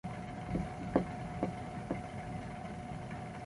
This attitude was consistent from before the war.